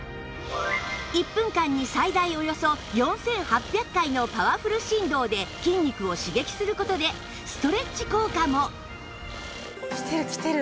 １分間に最大およそ４８００回のパワフル振動で筋肉を刺激する事でストレッチ効果もきてるきてる。